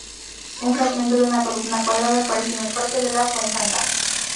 Un fragmento de una columna cuadrada apareció en el parque de la Fuensanta.